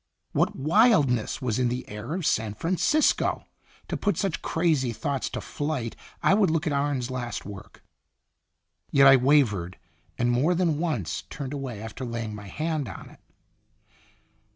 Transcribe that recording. What wildness was in the air of San Francisco ! To put such crazy thoughts to flight I would look at Arne's last work. Yet I wavered, and more than once turned away after laying my hand on it.